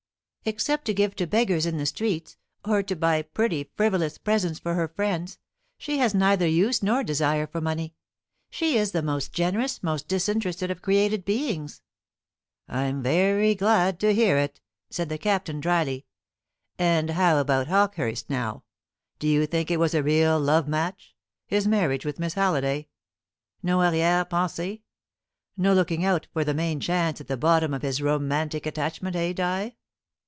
Except to give to beggars in the streets, or to buy pretty frivolous presents for her friends, she has neither use nor desire for money. She is the most generous, most disinterested of created beings." "I'm very glad to hear it," said the Captain, drily. "And how about Hawkehurst, now? Do you think it was a real love match, his marriage with Miss Halliday? No arrière pensée no looking out for the main chance at the bottom of his romantic attachment, eh, Di?"